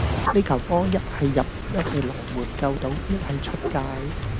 呢球波一係入,一係龍門救到,一係出界.